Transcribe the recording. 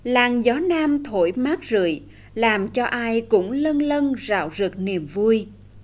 làng gió nam thổi mát rượi làm cho ai cũng lân lân rạo rực niềm vui